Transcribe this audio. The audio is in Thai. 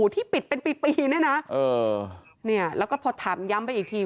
ที่ปิดเป็นปีนี่นะเออเนี่ยแล้วก็พอถามย้ำไปอีกที